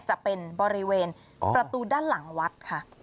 จะเป็นบริเวณประตูด้านหลังวัดค่ะ